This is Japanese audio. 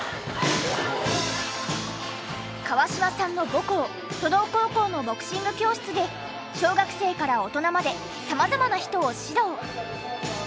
川島さんの母校莵道高校のボクシング教室で小学生から大人まで様々な人を指導。